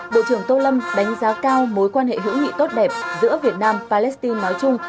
bộ trưởng tô lâm đánh giá cao mối quan hệ hữu nghị tốt đẹp giữa việt nam palestine nói chung